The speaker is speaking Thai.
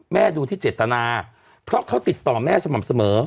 ดูที่เจตนาเพราะเขาติดต่อแม่สม่ำเสมอ